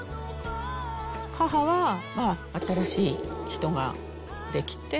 母はまあ、新しい人ができて。